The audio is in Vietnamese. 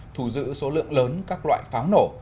thù giữ số lượng lớn các loại pháo nổ